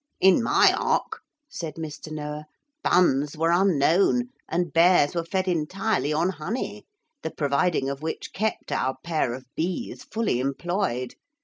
'In my ark,' said Mr. Noah, 'buns were unknown and bears were fed entirely on honey, the providing of which kept our pair of bees fully employed.